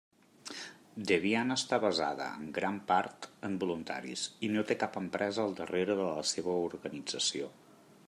Debian està basada, en gran part, en voluntaris, i no té cap empresa al darrere de la seva organització.